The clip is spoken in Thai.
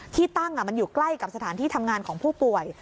ที่ตั้งมันอยู่ใกล้กับสถานที่ทำงานของผู้ป่วย